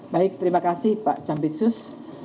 baik terima kasih pak campitsus